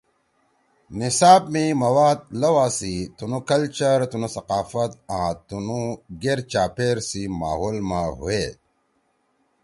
نصاب می مواد لؤا سی تنُو کلچر، تنُو ثقافت آن تنُو گیر چاپیر سی ماحول ما ہوئے۔